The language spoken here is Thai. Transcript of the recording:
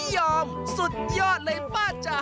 ยอมสุดยอดเลยป้าจ๋า